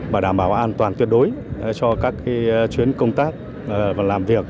và đảm bảo an toàn tuyệt đối cho các chuyến công tác và làm việc